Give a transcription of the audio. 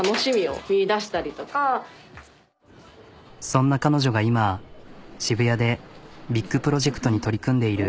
そんな彼女が今渋谷でビッグプロジェクトに取り組んでいる。